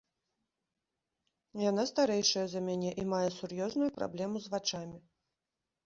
Яна старэйшая за мяне і мае сур'ёзную праблему з вачамі.